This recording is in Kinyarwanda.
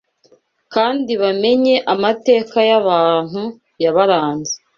kandi bamenye amateka y’abantu yabaranze